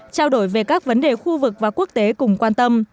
trao đổi về các vấn đề khu vực và quốc tế cùng quan tâm